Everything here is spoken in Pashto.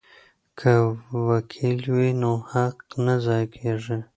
که وکیل وي نو حق نه ضایع کیږي.